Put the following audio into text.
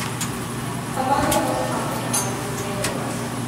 Among their most prominent clients were the Vanderbilts.